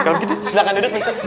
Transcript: kalau gitu silahkan duduk nih